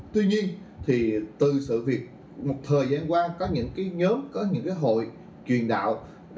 tuy nhiên thì từ sự việc một thời gian qua có những cái nhóm có những hội truyền đạo